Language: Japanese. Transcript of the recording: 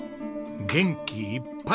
元気いっぱい！